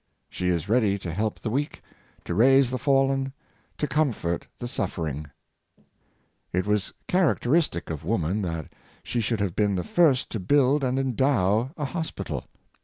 She is ready to help the weak, to raise the fallen, to 560 Woman'^s Aff'ection, comfort the suffering. It was characteristic of woman that she should have been the first to build and endow a hospital.